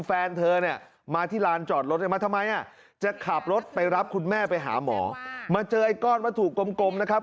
แฟนเธอมาที่ร้านจอดรถเขาจะขับรถไปรับครูแม่มาหาหมอมาเจอไอ้ก้อนวัตถุกลมนะครับ